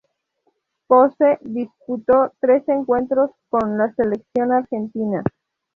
Posse disputó tres encuentros con la selección Argentina.